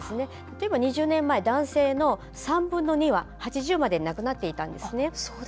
例えば２０年前男性の３分の２は８０までに亡くなっていたんです。